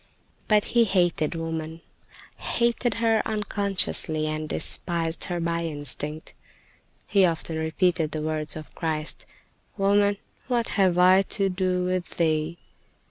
But he hated woman—hated her unconsciously, and despised her by instinct. He often repeated the words of Christ: "Woman, what have I to do with thee?"